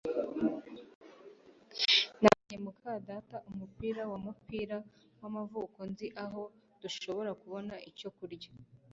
Nabonye muka data umupira wumupira wamavuko Nzi aho dushobora kubona icyo kurya